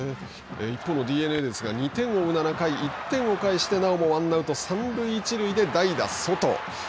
一方のＤｅＮＡですが、２点を追う７回、１点を返してなおもワンアウト、三塁一塁で、代打ソト。